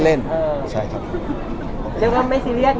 ต้องครับผม